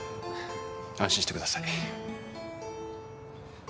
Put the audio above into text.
安心してください。